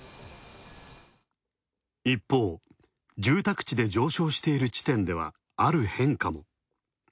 一方、住宅地で上昇している地点ではある変化も。